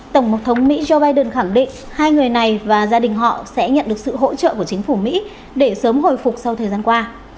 tổng thống mỹ joe biden khẳng định hai người này và gia đình họ sẽ nhận được sự hỗ trợ của chính phủ mỹ để sớm hồi phục sau thời gian qua